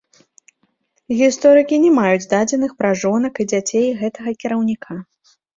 Гісторыкі не маюць дадзеных пра жонак і дзяцей гэтага кіраўніка.